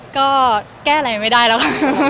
ก็แก้อะไรไม่ได้แล้วค่ะ